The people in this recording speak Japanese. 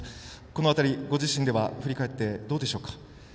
この辺り、ご自身では振り返ってどうでしょうか。